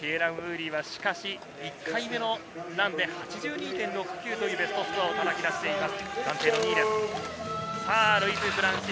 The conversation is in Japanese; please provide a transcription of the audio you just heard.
しかし、１回目のランで８２．６９というベストスコアをたたき出しています。